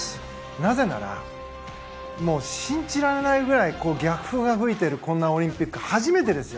なぜならもう信じられないくらい逆風が吹いているオリンピック初めてですよ。